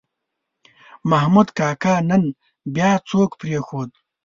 محمود کاکا نن بیا څوک پرېښود.